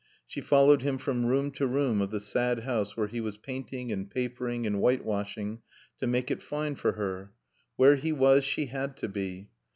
She followed him from room to room of the sad house where he was painting and papering and whitewashing to make it fine for her. Where he was she had to be.